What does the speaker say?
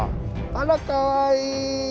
あらかわいい。